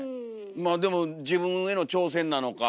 まあでも自分への挑戦なのか。